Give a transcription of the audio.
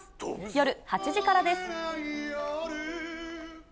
夜８時からです。